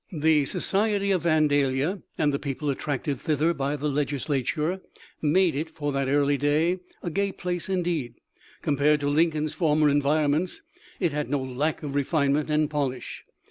The society of Vandalia and the people attracted thither by the Legislature made it, for that early day, a gay place indeed. Compared to Lincoln's former environments, it had no lack of refinement and polish.